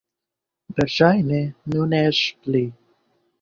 Verŝajne nun eĉ pli.